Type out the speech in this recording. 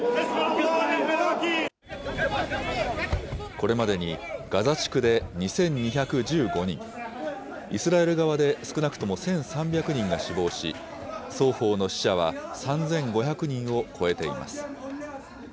これまでにガザ地区で２２１５人、イスラエル側で少なくとも１３００人が死亡し、双方の死者は３５００人を超えています。